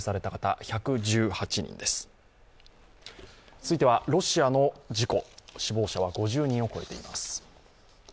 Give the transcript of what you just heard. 続いては、ロシアの事故、死亡者は５０人を超えています。